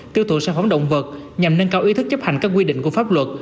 tiêu thụ sản phẩm động vật nhằm nâng cao ý thức chấp hành các quy định của pháp luật